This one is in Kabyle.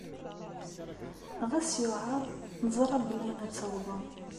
Ɣas yuɛeṛ, neẓṛa belli ad tawḍem.